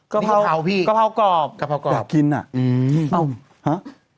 กะเพราพี่กะเพรากรอบกะเพรากรอบกรอบกินอ่ะอืมเอ้าฮะ